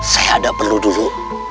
saya ada perlu dulu